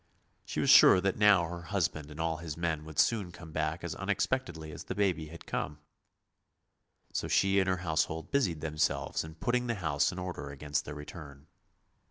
She was sure that now her husband and all his men would soon come back as unexpectedly as the baby had come. So she and her household busied themselves in putting the house in order against their return.